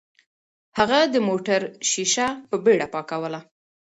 هغه د موټر ښیښه په بیړه پاکوله.